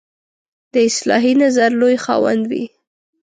د اصلاحي نظر لوی خاوند وي.